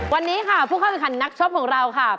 วันนี้ค่ะผู้เข้าแข่งขันนักชกของเราค่ะ